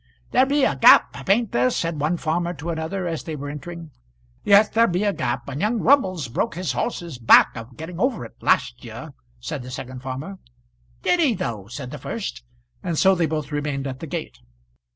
"There be a gap, bain't there?" said one farmer to another, as they were entering. "Yes, there be a gap, and young Grubbles broke his 'orse's back a getting over of it last year," said the second farmer. "Did he though?" said the first; and so they both remained at the gate.